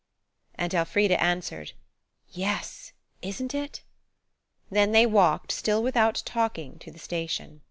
And Elfrida answered, "Yes–isn't it?" Then they walked, still without talking, to the station.